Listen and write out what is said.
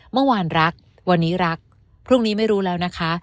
เมื่อวานรักวันนี้รักพรุ่งนี้ไม่รู้แล้วนะคะ